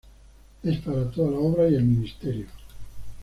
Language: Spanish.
Es para toda la obra y el ministerio".